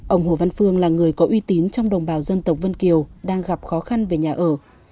ông hồ văn phương là người có uy tín trong đồng bào dân tộc vân kiều đang gặp khó khăn về nhà ở